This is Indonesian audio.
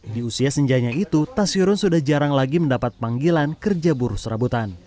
di usia senjanya itu tasyuron sudah jarang lagi mendapat panggilan kerja buruh serabutan